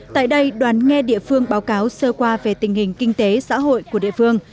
tại đây đoàn nghe địa phương báo cáo sơ qua về tình hình kinh tế xã hội của địa phương